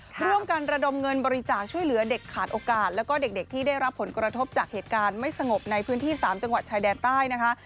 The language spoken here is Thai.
ร่วมกันระดมเงินบริจาคช่วยเหลือเด็กขาดโอกาสแล้วก็เด็กที่ได้รับผลกระทบจากเหตุการณ์ไม่สงบในพื้นที่๓จังหวัดชายแดนใต้นะคะ